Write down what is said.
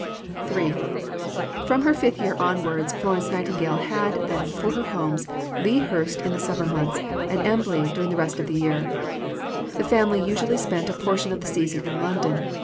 III From her fifth year onwards Florence Nightingale had, then, for her homes Lea Hurst in the summer months and Embley during the rest of the year. The family usually spent a portion of the season in London.